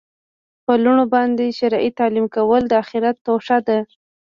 په لوڼو باندي شرعي تعلیم کول د آخرت توښه ده